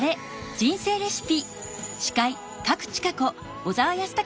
人生レシピ」